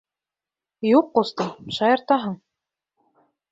Юҡ, ҡустым, шаяртаһың!